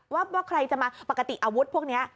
ว่าใครจะมาปกติอาวุธพวกนี้